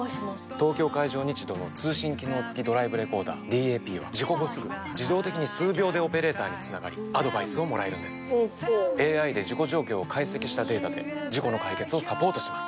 東京海上日動の通信機能付きドライブレコーダーＤＡＰは事故後すぐ自動的に数秒でオペレーターにつながりアドバイスをもらえるんですＡＩで事故状況を解析したデータで事故の解決をサポートします